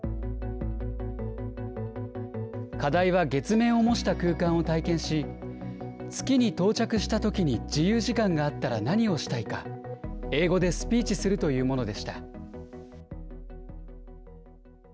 課題は月面を模した空間を体験し、月に到着したときに自由時間があったら何をしたいか、英語でスピーチするというものでした。